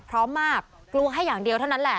พร้อมมากกลัวให้อย่างเดียวเท่านั้นแหละ